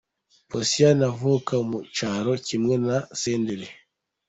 Posiyani avuka mu cyaro kimwe na Senderi i.